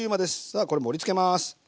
さあこれ盛りつけます。